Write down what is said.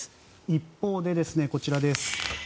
一方で、こちらです。